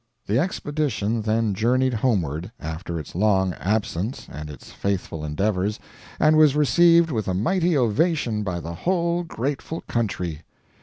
The expedition then journeyed homeward after its long absence and its faithful endeavors, and was received with a mighty ovation by the whole grateful country.